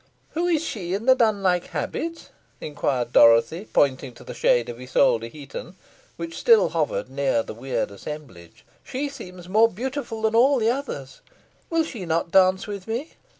"Who is she in the nunlike habit?" inquired Dorothy, pointing to the shade of Isole de Heton, which still hovered near the weird assemblage. "She seems more beautiful than all the others. Will she not dance with me?"